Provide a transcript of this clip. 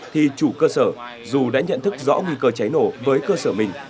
thì chủ cơ sở dù đã nhận thức rõ nguy cơ cháy nổ với cơ sở mình